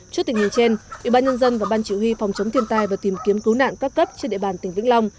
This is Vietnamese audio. trước tình hình trên ủy ban nhân dân và ban chỉ huy phòng chống thiên tai và tìm kiếm cứu nạn các cấp trên địa bàn tỉnh vĩnh long